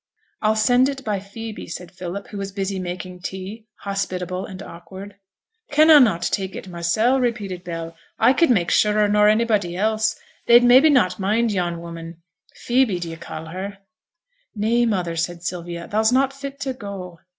'I'll send it by Phoebe,' said Philip, who was busy making tea, hospitable and awkward. 'Cannot I take it mysel'?' repeated Bell. 'I could make surer nor anybody else; they'd maybe not mind yon woman Phoebe d'ye call her?' 'Nay, mother,' said Sylvia, 'thou's not fit to go.'